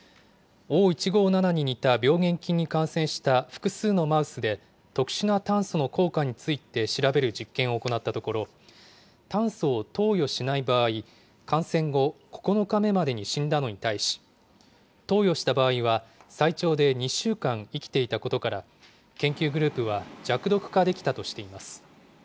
Ｏ１５７に似た病原菌に感染した複数のマウスで特殊な炭素の効果について調べる実験を行ったところ、炭素を投与しない場合、感染後、９日目までに死んだのに対し、投与した場合は最長で２週間生きていたことから、研究グループは、弱毒化できたとしています。